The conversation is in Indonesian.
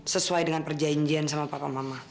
sesuai dengan perjanjian sama papa mama